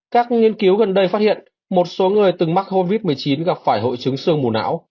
các nghiên cứu gần đây phát hiện một số người từng mắc covid một mươi chín gặp phải hội chứng sương mù não